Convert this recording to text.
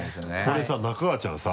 これさ仲川ちゃんさ。